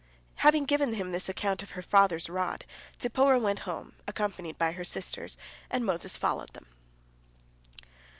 Having given him this account of her father's rod, Zipporah went home, accompanied by her sisters, and Moses followed them.